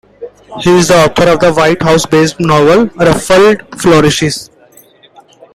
He is the author of the White House-based novel, "Ruffled Flourishes".